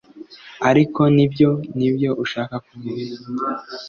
Ariko nibyo nibyo ushaka kuvuga